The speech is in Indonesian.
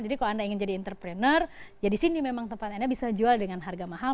jadi kalau anda ingin jadi entrepreneur ya di sini memang tempatnya bisa dijual dengan harga mahal